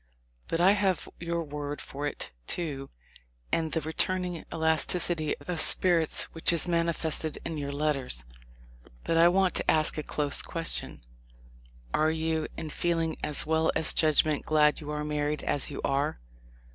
But I have your word for it, too, and the returning elasticity of spirits which is manifested in your letters. But I want to ask a close question: 'Are you in feeling as well as judgment glad you are married as you are?'